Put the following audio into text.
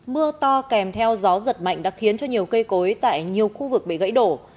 mưa to kèm theo gió giật mạnh đã khiến cho nhiều cây cối tại nhiều khu vực bị gãy đổ